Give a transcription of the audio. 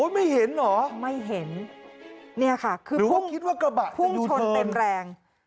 ไม่เห็นหรอไม่เห็นนี่ค่ะคือพวกหรือว่าคิดว่ากระบะจะอยู่เทินพุ่งชนเต็มแรง